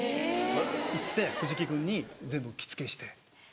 行って藤木君に全部着付けして。